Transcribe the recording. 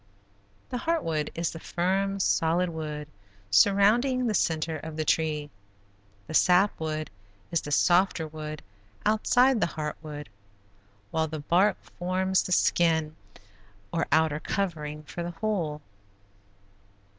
The heart wood is the firm, solid wood surrounding the center of the tree, the sap wood is the softer wood outside the heart wood, while the bark forms the skin or outer covering for the whole.